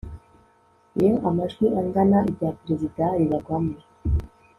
iyo amajwi angana irya perezida ribarwamo